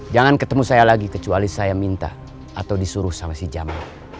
jangan ketemu saya lagi kecuali saya minta atau disuruh sama si jamak